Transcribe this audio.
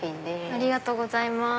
ありがとうございます。